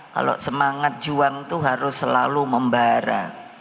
kalau semangat juang itu harus selalu membara